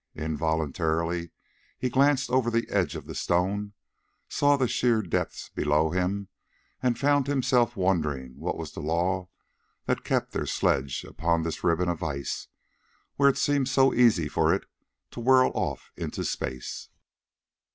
Involuntarily he glanced over the edge of the stone, saw the sheer depths below him, and found himself wondering what was the law that kept their sledge upon this ribbon of ice, when it seemed so easy for it to whirl off into space.